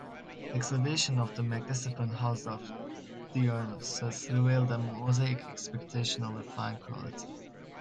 Excavation of the magnificent House of Dionysos revealed a mosaic of exceptionally fine quality.